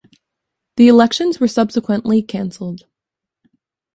The elections were subsequently cancelled.